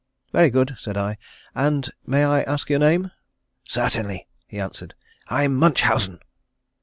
"Very good," said I. "And may I ask your name?" "Certainly," he answered. "I'm Munchausen."